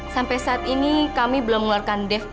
sampai saat ini kami belum mengeluarkan dev pak